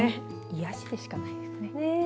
癒やしでしかないですね。